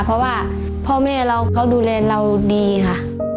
เพราะว่าพ่อแม่เราเขาดูแลเราดีค่ะ